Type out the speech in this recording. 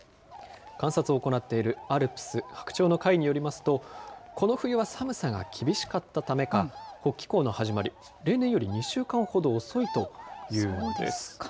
観察を行っている、アルプス白鳥の会によりますと、この冬は寒さが厳しかったためか、北帰行の始まり、例年より２週間ほど遅いということです。